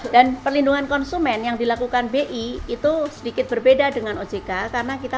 dan perlindungan konsumen yang dilakukan bi itu sedikit berbeda dengan ojk karena kita